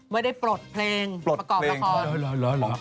ไม่ได้ปลดเพลงประกอบละคร